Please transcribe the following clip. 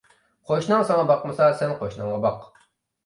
قوشناڭ ساڭا باقمىسا، سەن قوشناڭغا باق.